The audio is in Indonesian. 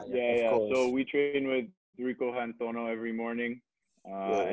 ya jadi kami latihan dengan rico hanzono setiap pagi